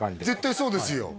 絶対そうですよ